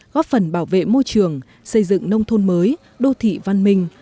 góp phần bảo vệ môi trường xây dựng nông thôn mới đô thị văn minh